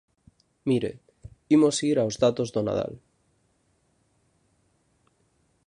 Mire, imos ir aos datos do Nadal.